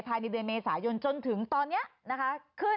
ภายในเดือนเมษายนจนถึงตอนนี้นะคะขึ้น